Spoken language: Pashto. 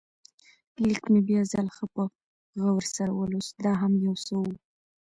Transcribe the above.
لیک مې بیا ځل ښه په غور سره ولوست، دا هم یو څه و.